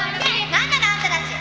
・何なのあんたたち！